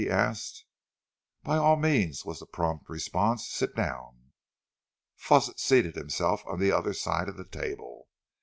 he asked. "By all means," was the prompt response. "Sit down." Fawsitt seated himself on the other side of the table.